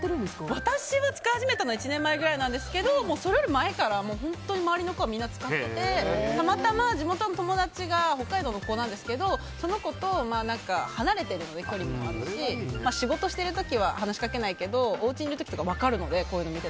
私が使い始めたのは１年前くらいなんですけどそれより前から本当に周りの子は使っていてたまたま、地元の友達が北海道の子なんですけどその子と離れてるので距離もあるし仕事してる時は話しかけないけどおうちにいる時とか分かるので。